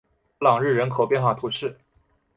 布朗日人口变化图示